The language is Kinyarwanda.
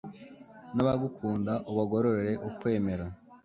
n'abagukunda, ubagororere ukwemera